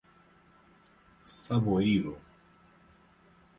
Saboeiro